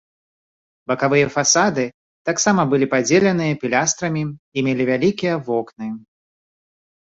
Бакавыя фасады таксама былі падзеленыя пілястрамі і мелі вялікія вокны.